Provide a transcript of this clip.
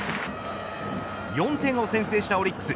４点を先制したオリックス